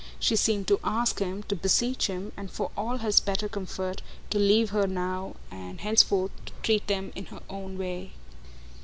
She seemed to ask him, to beseech him, and all for his better comfort, to leave her, now and henceforth, to treat them in her own way.